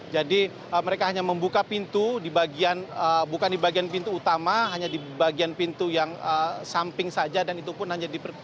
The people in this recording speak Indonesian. jadi mereka hanya membuka pintu bukan di bagian pintu utama hanya di bagian pintu yang samping saja dan itu pun hanya diperkirakan